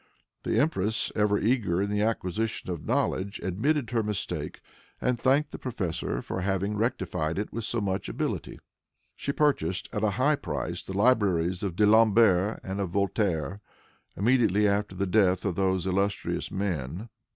The empress, ever eager in the acquisition of knowledge, admitted her mistake, and thanked the professor for having rectified it with so much ability. She purchased, at a high price, the libraries of D'Alembert, and of Voltaire, immediately after the death of those illustrious men.